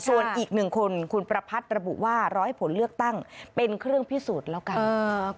ส่วนอีกหนึ่งคนคุณประพัทธ์ระบุว่าร้อยผลเลือกตั้งเป็นเครื่องพิสูจน์แล้วกัน